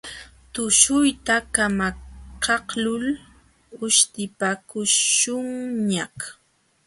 Tushuyta kamakaqlul uśhtipakuśhunñaq.